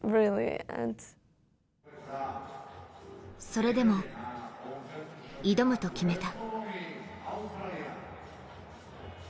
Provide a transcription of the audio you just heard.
それでも、挑むと決めた。